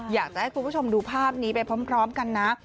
อยากจะให้คุณผู้ชมดูภาพนี้ไปพร้อมกันนะ